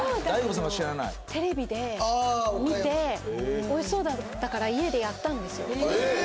テレビで見ておいしそうだったから家でやったんですよ